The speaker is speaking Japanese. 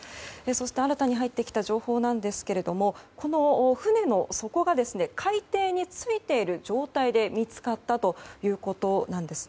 そして、新たに入ってきた情報ですがこの船の底が海底についている状態で見つかったということなんです。